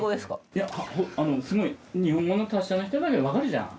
いやすごい日本語の達者な人だけどわかるじゃん。